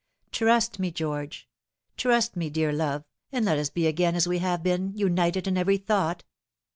Trust ma George. Trust me, dear love, and let us be again as we have been, united in every thought."